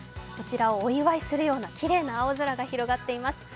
こちらをお祝いするようなきれいな青空が広がっています。